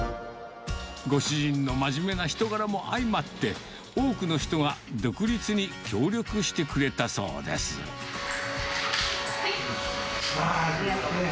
ご主人の真面目な人柄も相まって、多くの人が独立に協力してくれたありがとうね。